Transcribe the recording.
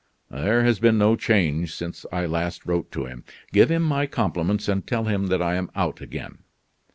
"There has been no change since I last wrote to him. Give him my compliments, and tell him that I am out again."